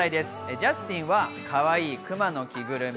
ジャスティンはかわいいクマの着ぐるみ。